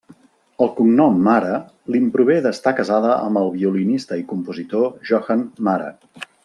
El cognom Mara li'n prové d'estar casada amb el violinista i compositor Johann Mara.